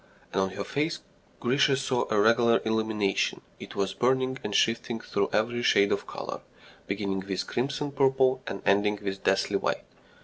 And on her face Grisha saw a regular illumination: it was burning and shifting through every shade of colour, beginning with a crimson purple and ending with a deathly white.